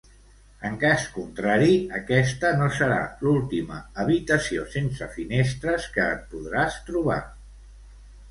En cas contrari, aquesta no serà l'última habitació sense finestres que et podràs trobar.